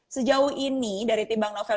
sejauh ini dari tim bang novel